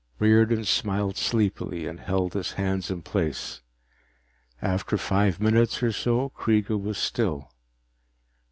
Riordan smiled sleepily and held his hands in place. After five minutes or so Kreega was still.